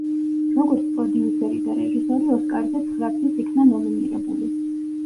როგორც პროდიუსერი და რეჟისორი ოსკარზე ცხრაგზის იქნა ნომინირებული.